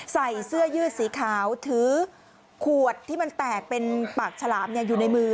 ใส่เสื้อยืดสีขาวถือขวดที่มันแตกเป็นปากฉลามอยู่ในมือ